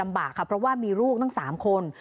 ลำบากค่ะเพราะว่ามีลูกทั้งสามคน